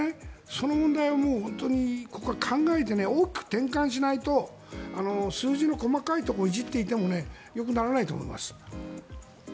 その問題をここは考えて大きく転換しないと数字の細かいところをいじっていてもよくならないと思います。